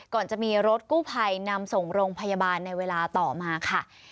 ก่อนจะมีรถกู้ภัยนำส่งโรงพยาบาลในเวลาต่อมาค่ะ